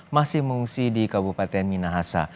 masih mengungsi di kabupaten minahasa